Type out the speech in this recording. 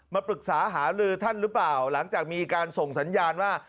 มาปรึกษาหาลือท่านหรือเปล่าหลังจากมีการส่งสัญญาณว่า